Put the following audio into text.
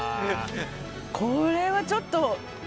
これはちょっと。